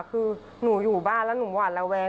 คือหนูอยู่บ้านแล้วหนูหวาดระแวง